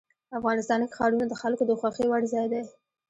افغانستان کې ښارونه د خلکو د خوښې وړ ځای دی.